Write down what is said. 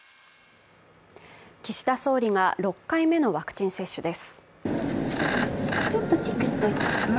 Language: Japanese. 岸田総理が６回目のワクチン接種です。